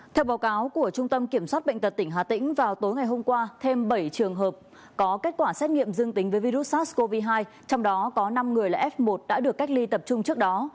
theo báo cáo của trung tâm kiểm soát bệnh tật tỉnh hà tĩnh vào tối ngày hôm qua thêm bảy trường hợp có kết quả xét nghiệm dương tính với virus sars cov hai trong đó có năm người là f một đã được cách ly tập trung trước đó